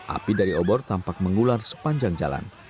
api dari obor tampak mengular sepanjang jalan